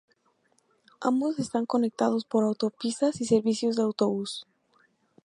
Ambos están conectados por autopistas y servicios de autobús.